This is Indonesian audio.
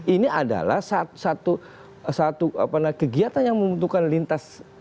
ini adalah satu satu satu apa namanya kegiatan yang membutuhkan lintas sektor ya